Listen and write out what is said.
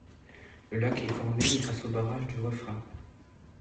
Le lac est formé grâce au barrage du Refrain.